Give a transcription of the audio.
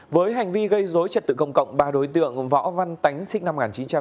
với hành vi gây dối trật tự công cộng ba đối tượng võ văn tánh sinh năm một nghìn chín trăm chín mươi tám